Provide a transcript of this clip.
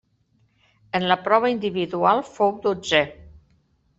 En la prova individual fou dotzè.